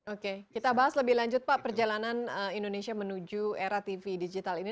oke kita bahas lebih lanjut pak perjalanan indonesia menuju era tv digital ini